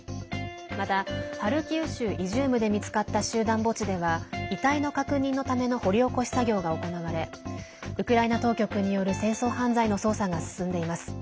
また、ハルキウ州イジュームで見つかった集団墓地では遺体の確認のための掘り起こし作業が行われウクライナ当局による戦争犯罪の捜査が進んでいます。